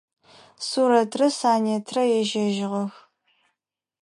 Сурэтрэ Санетрэ ежьэжьыгъэх.